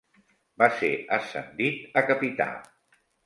Va ser ascendit a capità.